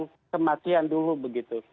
menurunkan kematian dulu begitu